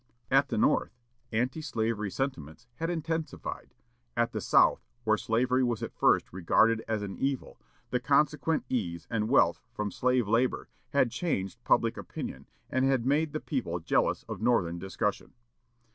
At the North, anti slavery sentiments had intensified; at the South, where slavery was at first regarded as an evil, the consequent ease and wealth from slave labor had changed public opinion, and had made the people jealous of northern discussion.